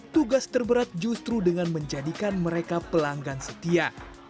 tugas terberat justru dengan menjadikan mereka pelanggan setia